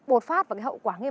anh phải ngay đây anh ơi